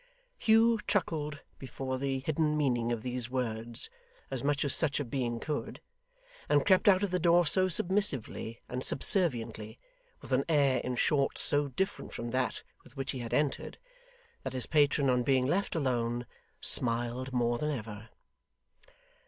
Hugh truckled before the hidden meaning of these words as much as such a being could, and crept out of the door so submissively and subserviently with an air, in short, so different from that with which he had entered that his patron on being left alone, smiled more than ever.